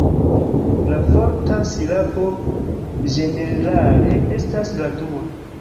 La forta silabo, ĝenerale estas la dua.